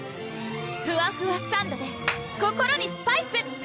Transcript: ふわふわサンドｄｅ心にスパイス！